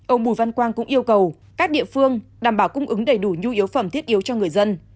ông bùi văn quang cũng yêu cầu các địa phương đảm bảo cung ứng đầy đủ nhu yếu phẩm thiết yếu cho người dân